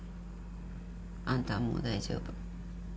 あんたはもう大丈夫。